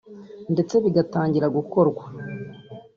ndetse bigatangira gukorwa